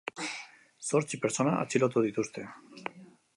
Zortzi pertsona atxilotu dituzte.